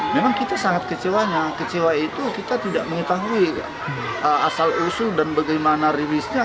memang kita sangat kecewanya kecewa itu kita tidak mengetahui asal usul dan bagaimana rilisnya